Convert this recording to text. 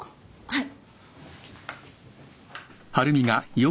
はい。